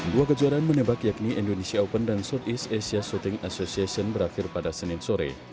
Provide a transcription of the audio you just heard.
dua kejuaraan menembak yakni indonesia open dan southeast asia shooting association berakhir pada senin sore